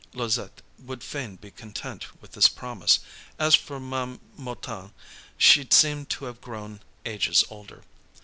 Louisette would fain be content with this promise. As for Ma'am Mouton, she seemed to have grown ages older.